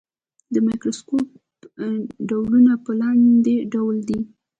د مایکروسکوپ ډولونه په لاندې ډول دي.